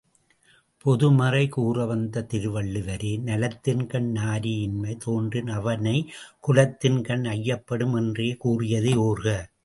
பொதுமறை கூறவந்த திருவள்ளுவரே நலத்தின்கண் நாரின்மை தோன்றின் அவனைக் குலத்தின்கண் ஐயப் படும் என்று கூறியதை ஓர்க.